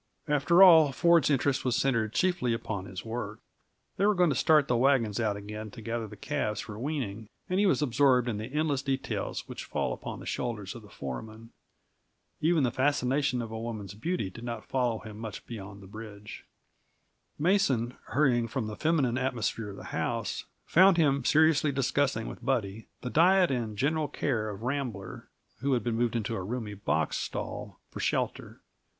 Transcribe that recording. After all, Ford's interest was centered chiefly upon his work. They were going to start the wagons out again to gather the calves for weaning, and he was absorbed in the endless details which fall upon the shoulders of the foreman. Even the fascination of a woman's beauty did not follow him much beyond the bridge. Mason, hurrying from the feminine atmosphere at the house, found him seriously discussing with Buddy the diet and general care of Rambler, who had been moved into a roomy box stall for shelter.